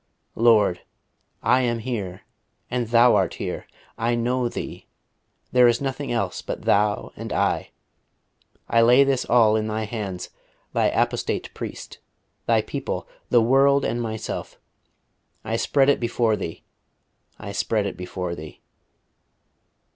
"Lord, I am here, and Thou art here. I know Thee. There is nothing else but Thou and I.... I lay this all in Thy hands Thy apostate priest, Thy people, the world, and myself. I spread it before Thee I spread it before Thee."